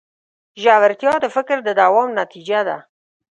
ژورتیا د فکر د دوام نتیجه ده.